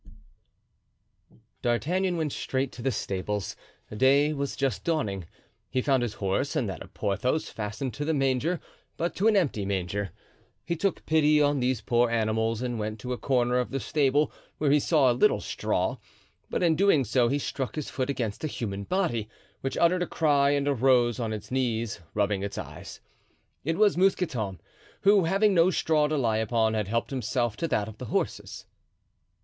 D'Artagnan went straight to the stables; day was just dawning. He found his horse and that of Porthos fastened to the manger, but to an empty manger. He took pity on these poor animals and went to a corner of the stable, where he saw a little straw, but in doing so he struck his foot against a human body, which uttered a cry and arose on its knees, rubbing its eyes. It was Mousqueton, who, having no straw to lie upon, had helped himself to that of the horses.